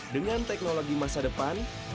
dengan teknologi masa depan